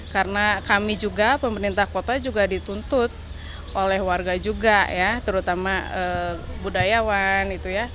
karena kami juga pemerintah kota juga dituntut oleh warga juga terutama budayawan